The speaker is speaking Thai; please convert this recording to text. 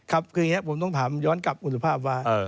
ครับคืออย่างนี้ผมต้องถามย้อนกลับคุณสุภาพว่า